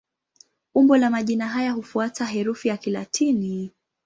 Umbo la majina haya hufuata sarufi ya Kilatini.